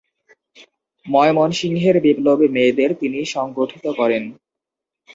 ময়মনসিংহের বিপ্লবী মেয়েদের তিনিই সংগঠিত করেন।